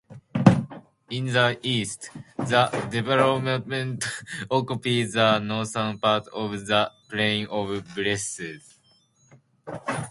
In the east, the department occupies the northern part of the plain of Bresse.